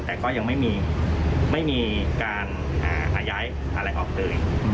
แต่ก็ยังไม่มีการหาย้ายอะไรออกเลย